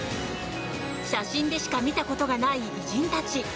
写真でしか見たことがない偉人たち。